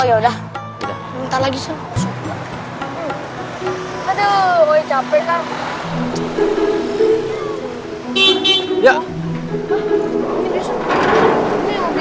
aduh gue capek ah